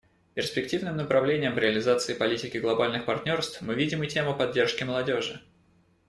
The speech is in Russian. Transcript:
Перспективным направлением в реализации политики глобальных партнерств мы видим и тему поддержки молодежи.